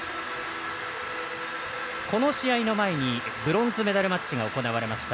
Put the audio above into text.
この試合の前にブロンズメダルマッチが行われました。